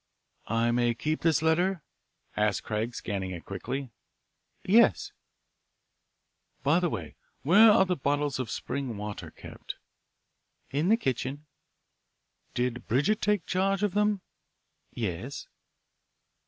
"I may keep this letter" asked Craig, scanning it quickly. "Yes." "By the way, where were the bottles of spring water kept" "In the kitchen." "Did Bridget take charge of them?" "Yes."